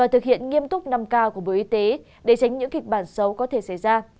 thực hiện nghiêm túc năm k của bộ y tế để tránh những kịch bản xấu có thể xảy ra